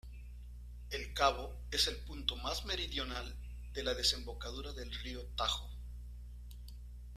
El cabo es el punto más meridional de la desembocadura del río Tajo.